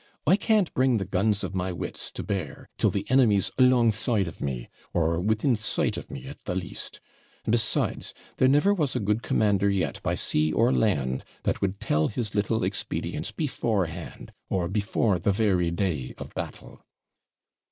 I can't bring the guns of my wits to bear till the enemy's alongside of me, or within sight of me at the least. And besides, there never was a good commander yet, by sea or land, that would tell his little expedients beforehand, or before the very day of battle.'